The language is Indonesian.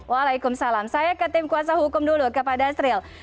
waalaikumsalam saya ke tim kuasa hukum dulu ke pak dasril